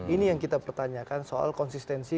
ini yang kita pertanyakan soal konsistensi